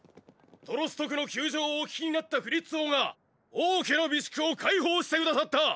トロスト区の窮状をお聞きになったフリッツ王が王家の備蓄を開放して下さった！